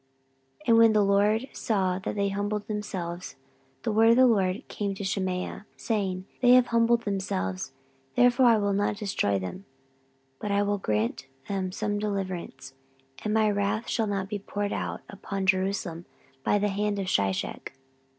14:012:007 And when the LORD saw that they humbled themselves, the word of the LORD came to Shemaiah, saying, They have humbled themselves; therefore I will not destroy them, but I will grant them some deliverance; and my wrath shall not be poured out upon Jerusalem by the hand of Shishak.